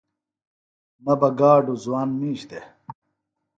مہ بہ گاڈوۡ زوان مِیش دےۡ